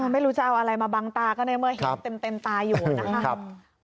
ไม่รู้จะเอาอะไรมาบังตาก็ในเมื่อเห็นเต็มตาอยู่นะครับ